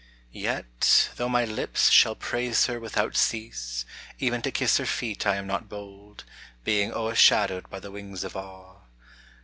Yet, though my lips shall praise her without cease, Even to kiss her .feet I am not bold, Being o'ershadowed by the wings of awe.